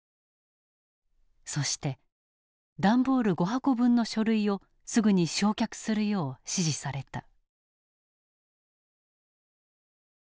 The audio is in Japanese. そして段ボール５箱分の書類をすぐに焼却するよう指示された。